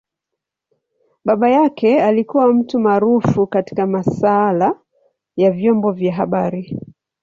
Baba yake alikua mtu maarufu katika masaala ya vyombo vya habari.